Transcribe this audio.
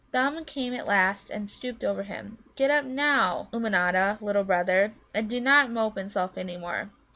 Thumb came at last and stooped over him. "Get up now, Ummanodda, little brother, and do not mope and sulk any more.